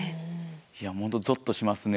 いや本当ぞっとしますね。